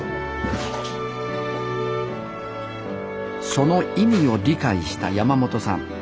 その意味を理解した山本さん。